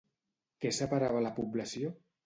Què separava la població?